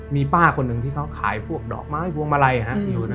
มีป้าคนหนึ่งที่เขาขายพวกดอกไม้พวงมาลัย